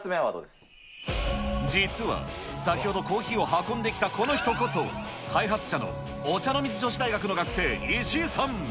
実は、先ほどコーヒーを運んできたこの人こそ、開発者のお茶の水女子大学の学生、石井さん。